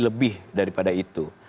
lebih daripada itu